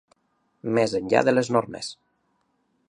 Més enllà de les normes.